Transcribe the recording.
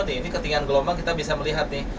ini ketinggian gelombang kita bisa melihat nih